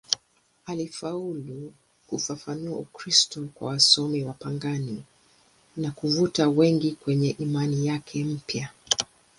Alifaulu kufafanua Ukristo kwa wasomi wapagani na kuvuta wengi kwenye imani yake mpya.